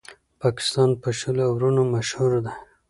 پاکستان په شلو اورونو مشهور دئ.